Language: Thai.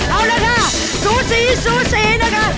เอาละค่ะสูสีสูสีนะคะ